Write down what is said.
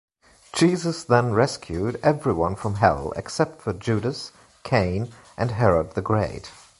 Jesus then rescues everyone from hell, except for Judas, Cain, and Herod the Great.